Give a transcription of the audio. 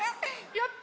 やった！